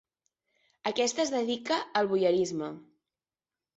Aquesta es dedica al voyeurisme.